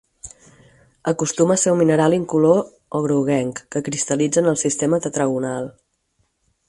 Acostuma a ser un mineral incolor o groguenc, que cristal·litza en el sistema tetragonal.